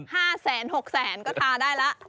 ๕แสน๖แสนก็ทาได้ละ